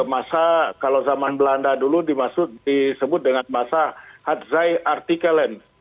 masa kalau zaman belanda dulu dimaksud disebut dengan masa hadzai artikelens